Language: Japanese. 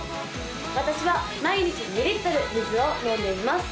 私は毎日２リットル水を飲んでいます